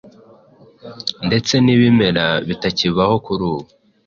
ndetse n’ibimera bitakibaho kurubu